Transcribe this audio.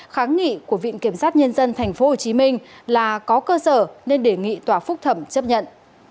kháng nghị của viện kiểm sát nhân dân tp hcm là có cơ sở nên đề nghị tòa phúc thẩm chấp nhận